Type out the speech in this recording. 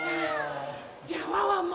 じゃあワンワンも。